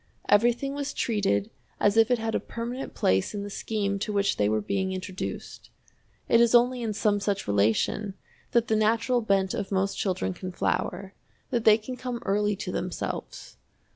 Everything was treated as if it had a permanent place in the scheme to which they were being introduced. It is only in some such relation that the natural bent of most children can flower, that they can come early to themselves.